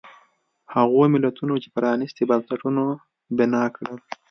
هغو ملتونو چې پرانیستي بنسټونه بنا کړل.